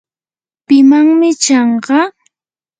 ¿pimanmi chanqa?